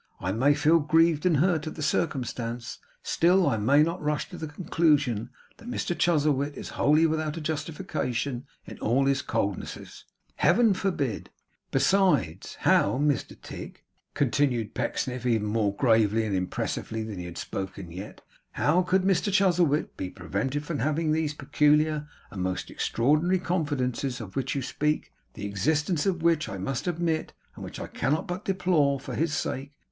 I may feel grieved and hurt at the circumstance; still I may not rush to the conclusion that Mr Chuzzlewit is wholly without a justification in all his coldnesses. Heaven forbid! Besides; how, Mr Tigg,' continued Pecksniff even more gravely and impressively than he had spoken yet, 'how could Mr Chuzzlewit be prevented from having these peculiar and most extraordinary confidences of which you speak; the existence of which I must admit; and which I cannot but deplore for his sake?